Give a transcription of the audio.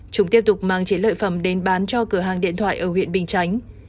chúng tiếp tục mang chế lợi phẩm đến bán cho cửa hàng điện thoại ở huyện bình chánh